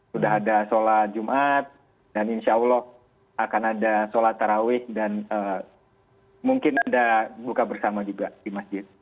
sudah ada sholat jumat dan insya allah akan ada sholat tarawih dan mungkin ada buka bersama juga di masjid